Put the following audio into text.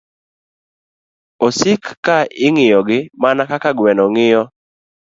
Osik ka ing'iyogi mana kaka gweno ng'iyo